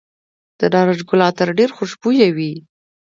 د نارنج ګل عطر ډیر خوشبويه وي.